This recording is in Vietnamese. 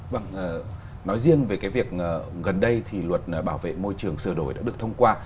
vâng nói riêng về cái việc gần đây thì luật bảo vệ môi trường sửa đổi đã được thông qua